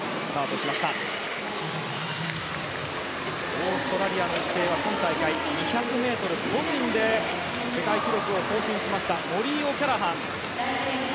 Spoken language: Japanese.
オーストラリアの１泳は今大会、２００ｍ個人で世界記録を更新しましたモリー・オキャラハン。